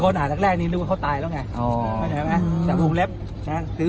คนอ่านทั้งแรกนี้ดูว่าเขาตายแล้วไง